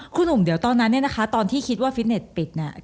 คุณหนุ่มเดี๋ยวตอนนั้นเนี่ยนะคะตอนที่คิดว่าฟิตเน็ตปิดเนี่ย